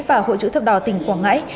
và hội chữ thập đỏ tỉnh quảng ngãi